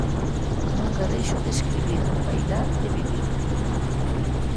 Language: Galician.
Nunca deixo de escribir, bailar e vivir.